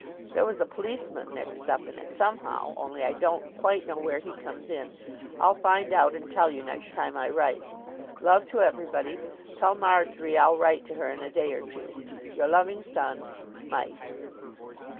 There was a policeman mixed up in it somehow, only I don't quite know where he comes in. I'll find out and tell you next time I write. Love to everybody. Tell Marjory I'll write to her in a day or two. "Your loving son, "MIKE.